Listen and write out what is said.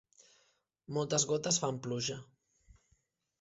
Moltes gotes fan pluja.